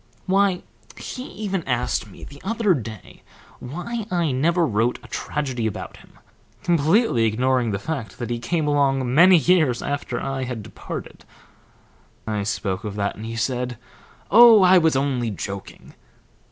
"Why, he even asked me the other day why I never wrote a tragedy about him, completely ignoring the fact that he came along many years after I had departed. I spoke of that, and he said, 'Oh, I was only joking.'